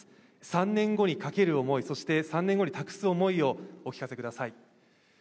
３年後にかける思い、そして３年後に託す思いをお聞かせください。